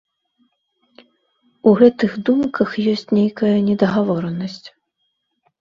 У гэтых думках ёсць нейкая недагаворанасць.